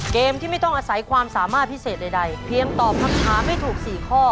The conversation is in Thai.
เกมที่ไม่ต้องอาศัยความสามารถพิเศษใดเพียงตอบคำถามให้ถูก๔ข้อ